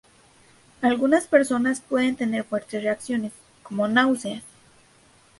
Algunas personas pueden tener fuertes reacciones, como náuseas.